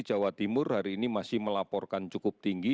jawa timur hari ini masih melaporkan cukup tinggi